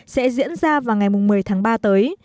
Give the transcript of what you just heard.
sẽ diễn ra vào ngày một mươi tháng ba tới